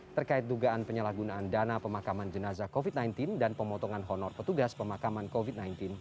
terkait dugaan penyalahgunaan dana pemakaman jenazah covid sembilan belas dan pemotongan honor petugas pemakaman covid sembilan belas